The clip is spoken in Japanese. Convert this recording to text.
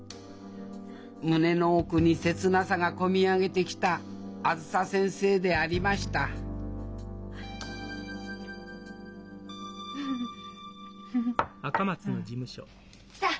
胸の奥に切なさが込み上げてきたあづさ先生でありましたさあ